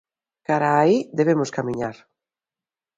Cara a aí debemos camiñar.